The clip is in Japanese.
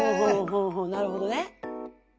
なるほどね。